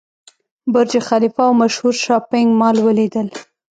برج خلیفه او مشهور شاپینګ مال ولیدل.